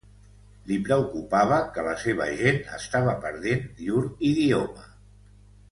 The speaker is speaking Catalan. Li preocupava que la seva gent estava perdent llur idioma.